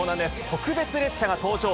特別列車が登場。